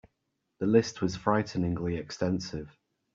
The list was frighteningly extensive.